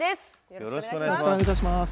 よろしくお願いします。